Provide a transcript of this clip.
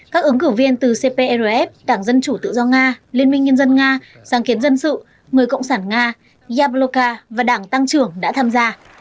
các ứng cử viên từ cprf đảng dân chủ tự do nga liên minh nhân dân nga sáng kiến dân sự người cộng sản nga yabloka và đảng tăng trưởng đã tham gia